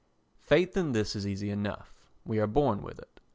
Faith in this is easy enough. We are born with it.